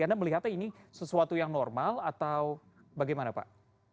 anda melihatnya ini sesuatu yang normal atau bagaimana pak